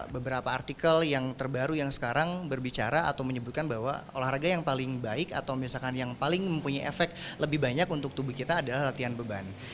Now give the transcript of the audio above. beberapa artikel yang terbaru yang sekarang berbicara atau menyebutkan bahwa olahraga yang paling baik atau misalkan yang paling mempunyai efek lebih banyak untuk tubuh kita adalah latihan beban